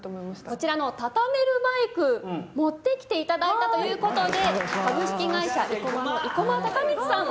こちらのタタメルバイク持ってきていただいたということで株式会社ＩＣＯＭＡの生駒崇光さん